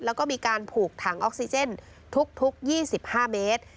แล้วก็มีการผูกถังออกซิเจนทุก๒๕เมตร